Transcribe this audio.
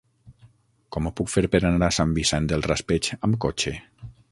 Com ho puc fer per anar a Sant Vicent del Raspeig amb cotxe?